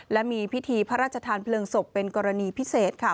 และมีพิธีพระราชทานเพลิงศพเป็นกรณีพิเศษค่ะ